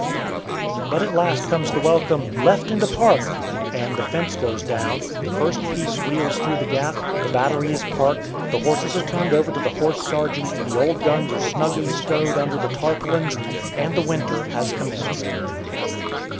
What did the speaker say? But at last comes the welcome "Left into park!" and the fence goes down, the first piece wheels through the gap, the battery is parked, the horses are turned over to the "horse sergeant," the old guns are snugly stowed under the tarpaulins, and the winter has commenced.